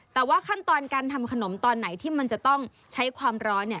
แต่ว่าขั้นตอนการทำขนมตอนไหนที่มันจะต้องใช้ความร้อน